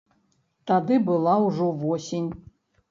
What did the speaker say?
Тады была ўжо восень.